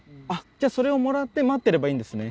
じゃあそれをもらって待ってればいいんですね。